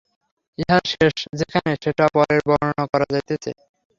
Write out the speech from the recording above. ইহার শেষ যেখানে সেটা পরে বর্ণনা করা যাইতেছে।